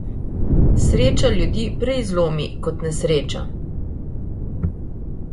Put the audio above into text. Sreča ljudi prej zlomi kot nesreča.